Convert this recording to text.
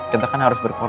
kita kan harus berkorban